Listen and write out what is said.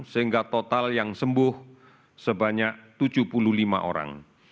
sehingga total yang sembuh sebanyak tujuh puluh lima orang